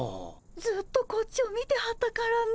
ずっとこっちを見てはったからね。